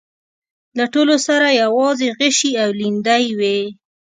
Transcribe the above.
له ټولو سره يواځې غشي او ليندۍ وې.